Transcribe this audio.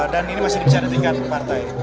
dan ini masih diberikan di tingkat partai